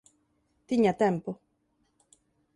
Tiña tempo…